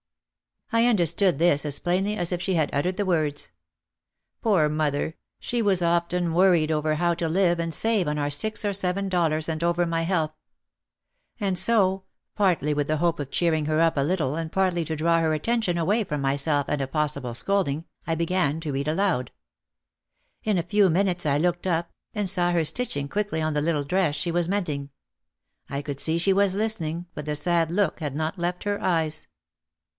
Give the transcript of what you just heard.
I understood this as plainly as if she had uttered the words. Poor mother, she was often worried over how to live and save on our six or seven dollars and over my health. And so, partly with the hope of cheering her up a little and partly to draw her attention away from my self and a possible scolding, I began to read aloud. In a few minutes I looked up and saw her stitching quickly on the little dress she was mending. I could see she was listening but the sad look had not left her eyes.